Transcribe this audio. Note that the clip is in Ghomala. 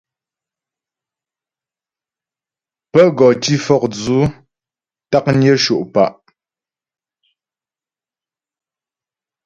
Pə́ gɔ tǐ fɔkdzʉ̌ taknyə sho' pǎ'.